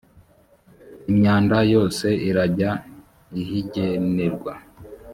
imyanda yose irajya ihijyenerwa.